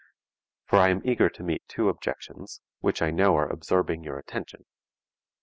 For I am eager to meet two objections, which I know are absorbing your attention.